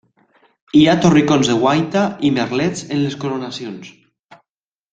Hi ha torricons de guaita i merlets en les coronacions.